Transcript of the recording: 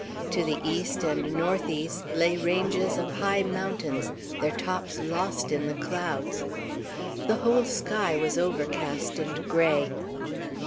To the east and northeast lay ranges of high mountains, their tops lost in the clouds. The whole sky was overcast and gray.